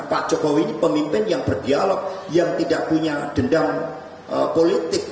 pak jokowi ini pemimpin yang berdialog yang tidak punya dendam politik